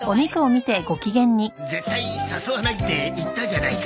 絶対誘わないって言ったじゃないか。